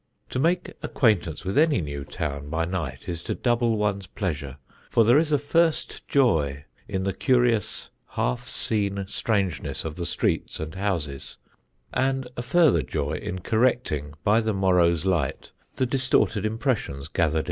To make acquaintance with any new town by night is to double one's pleasure; for there is a first joy in the curious half seen strangeness of the streets and houses, and a further joy in correcting by the morrow's light the distorted impressions gathered in the dark.